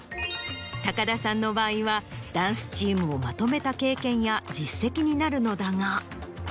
高田さんの場合はダンスチームをまとめた経験や実績になるのだが。